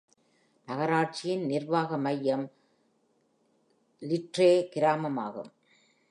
நகராட்சியின் நிர்வாக மையம் ஸ்லிட்ரே கிராமமாகும்.